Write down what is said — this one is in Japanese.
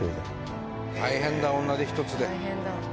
大変だ、女手一つで。